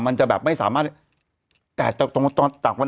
มันติดคุกออกไปออกมาได้สองเดือน